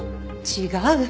違う！